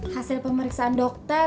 hasil pemeriksaan dokter